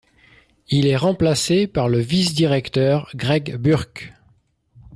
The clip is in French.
Il est remplacé par le vice-directeur, Greg Burke.